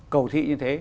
cầu thị như thế